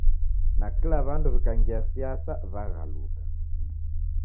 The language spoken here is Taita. Nakila w'andu w'ikangia siasa w'aghaluka